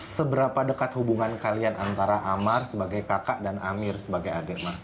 seberapa dekat hubungan kalian antara amar sebagai kakak dan amir sebagai adik